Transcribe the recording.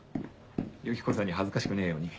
ユキコさんに恥ずかしくねえように。